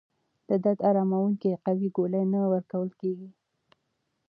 د درد اراموونکې قوي ګولۍ نه ورکول کېږي.